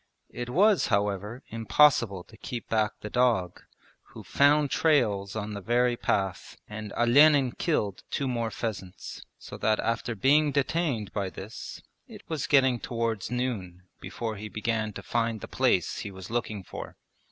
It was however impossible to keep back the dog, who found trails on the very path, and Olenin killed two more pheasants, so that after being detained by this it was getting towards noon before he began to find the place he was looking for.